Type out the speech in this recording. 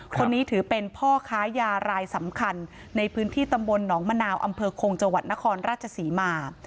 คนนี้ถือเป็นพ่อค้ายารายสำคัญในพื้นที่ตำบลหนองมะนาวอำเภอคงจังหวัดนครราชศรีมา